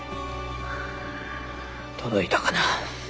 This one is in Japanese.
届いたかな。